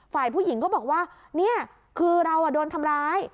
ฝ่ายผู้หญิงก็บอกว่านี่คือเราโดนทำร้าย